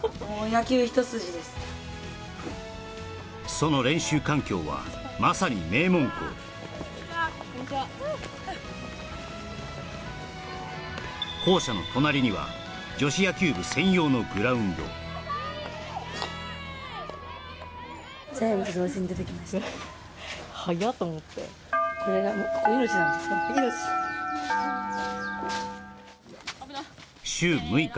その練習環境はまさに名門校こんにちは校舎の隣には女子野球部専用のグラウンド「はやっ」と思って週６日